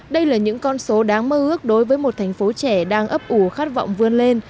đây là những con số đáng mơ ước đối với một thành phố trẻ đang ấp ủ khát vọng vươn lên